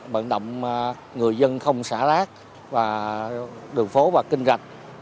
bận động người dân không xả lát đường phố và kinh rạch